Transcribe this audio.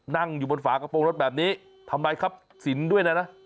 นั่งอยู่บนฝากระโปรงรถแบบนี้ทำไมครับสินด้วยนะนะ